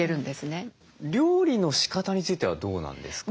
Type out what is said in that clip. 料理のしかたについてはどうなんですか？